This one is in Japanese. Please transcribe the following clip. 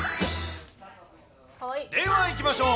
ではいきましょう。